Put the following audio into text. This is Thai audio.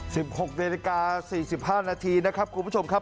หกนาฬิกาสี่สิบห้านาทีนะครับคุณผู้ชมครับ